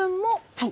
はい。